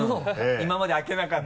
今まで開けなかった。